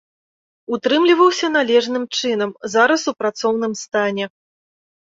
Утрымліваўся належным чынам, зараз у працоўным стане.